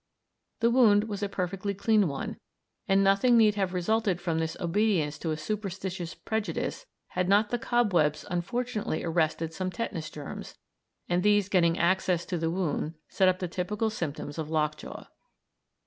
The wound was a perfectly clean one, and nothing need have resulted from this obedience to a superstitious prejudice had not the cobwebs unfortunately arrested some tetanus germs, and these getting access to the wound set up the typical symptoms of lock jaw.